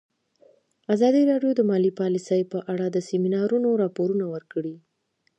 ازادي راډیو د مالي پالیسي په اړه د سیمینارونو راپورونه ورکړي.